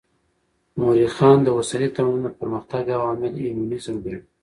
مؤرخان د اوسني تمدن د پرمختګ عوامل هیومنيزم ګڼي.